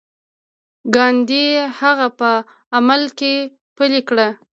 ګاندي هغه په عمل کې پلي کړه.